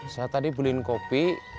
saya tadi beliin kopi